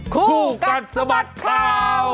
คู่กันสมัติข่าว